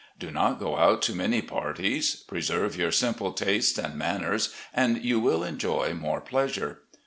Do not go out to many parties, preserve your simple tastes and manners, and you will enjoy more pleasure.